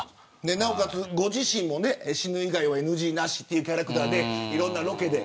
なおかつ、ご自身も死ぬ以外はＮＧなしというキャラクターでいろんなロケで。